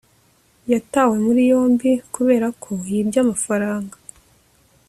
yatawe muri yombi kubera ko yibye amafaranga